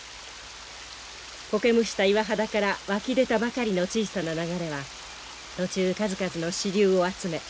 苔むした岩肌から湧き出たばかりの小さな流れは途中数々の支流を集め